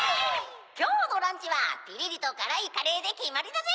きょうのランチはピリリとからいカレーできまりだぜ！